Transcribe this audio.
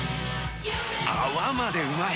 泡までうまい！